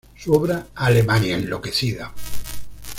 Su obra "Alemania enloquecida.